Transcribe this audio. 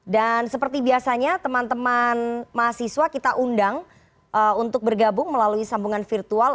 dan seperti biasanya teman teman mahasiswa kita undang untuk bergabung melalui sambungan virtual